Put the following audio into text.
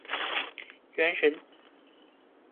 原神